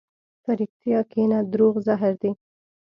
په رښتیا کښېنه، دروغ زهر دي.